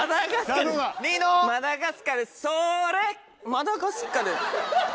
マダガスカル。